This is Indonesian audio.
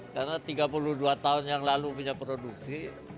karena tiga puluh dua tahun yang lalu punya produksi